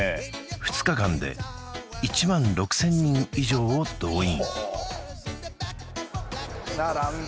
２日間で１万６０００人以上を動員